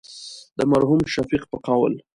د مرحوم شفیق په قول.